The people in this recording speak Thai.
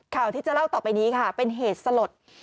ข่าวที่จะเล่าต่อไปนี้ค่ะเป็นเหตุสลด